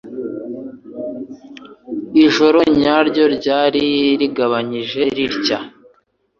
Ijoro naryo ryari rigabanyije ritya